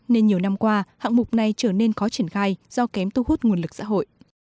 nên nhiều năm qua hạng mục này trở nên khó triển khai do kém tu hút nguồn lực xã hội